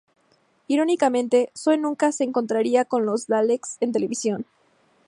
Irónicamente, Zoe nunca se encontraría con los Daleks en televisión.